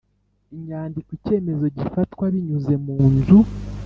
inyandiko Icyemezo gifatwa binyuze munzu